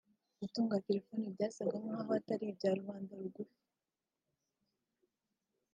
Gutunga telefone byasaga n’aho atari ibya rubanda rugufi